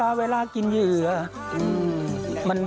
คือเพลงเนี่ยที่จริงแล้ว